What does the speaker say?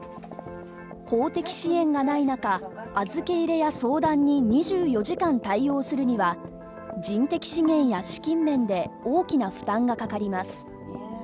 公的支援がない中、預け入れや相談に２４時間対応するには、人的資源や資金面で大きな負担がかかります。